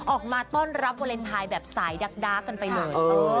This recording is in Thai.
ออกมาต้อนรับวาเลนไทยแบบสายดักกันไปเลย